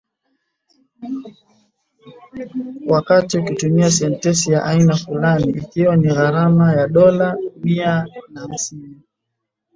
wakati kikitumia sensa ya aina fulani, ikiwa na gharama ya dola mia na hamsini